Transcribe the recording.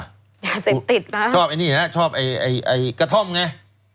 อย่าเสร็จติดนะชอบกระท่อมไง